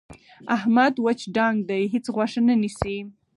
احمد وچ ډانګ دی. هېڅ غوښه نه نیسي.